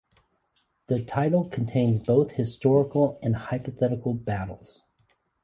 The title contains both historical and hypothetical battles.